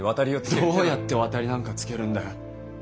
どうやって渡りなんかつけるんだよ。